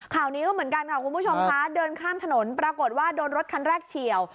ข่าวนี้ก็เหมือนกันค่ะคุณผู้ชมค่ะเดินข้ามถนนปรากฏว่าโดนรถคันแรกเฉียว